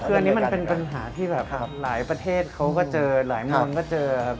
คืออันนี้มันเป็นปัญหาที่แบบหลายประเทศเขาก็เจอหลายมุมก็เจอครับ